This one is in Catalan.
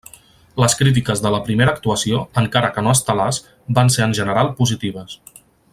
Les crítiques de la primera actuació, encara que no estel·lars, van ser en general positives.